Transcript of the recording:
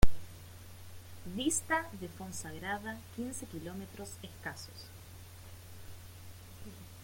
Dista de Fonsagrada quince kilómetros escasos.